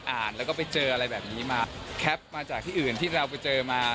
อ่านแล้วก็ไปเจออะไรแบบนี้มาแคปมาจากที่อื่นที่เราไปเจอมา